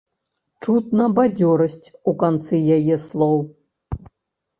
Чутна бадзёрасць у канцы яе слоў.